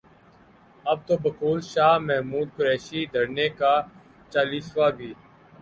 اب تو بقول شاہ محمود قریشی، دھرنے کا چالیسواں بھی